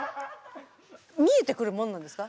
見えてくるもんなんですか？